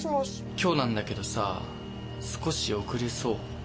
今日なんだけどさぁ少し遅れそう。